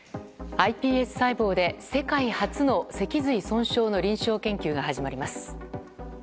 ｉＰＳ細胞で世界初の脊髄損傷の臨床研究が始まります。